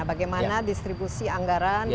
bagaimana distribusi anggaran